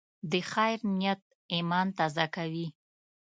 د خیر نیت ایمان تازه کوي.